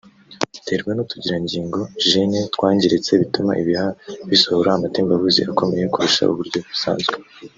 Iterwa n’utugirangingo (gene) twangiritse bituma ibihaha bisohora amatembabuzi akomeye kurusha uburyo busanzwe